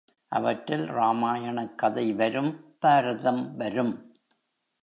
அவற்றில் ராமாயணக் கதை வரும் பாரதம் வரும்.